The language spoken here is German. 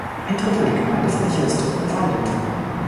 Ein Drittel der Gemeindefläche ist bewaldet.